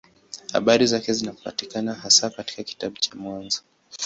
Habari zake zinapatikana hasa katika kitabu cha Mwanzo.